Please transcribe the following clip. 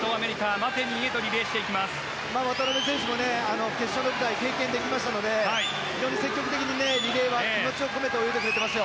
渡辺選手も決勝の舞台を経験できましたので非常に積極的にリレーは気持ちを込めて泳いでくれています。